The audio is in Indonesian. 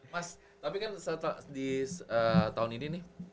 mas tapi kan setelah di tahun ini nih